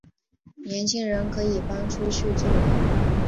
年轻人可以搬出去住了